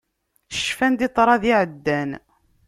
Cfan-d i ṭṭrad iɛeddan.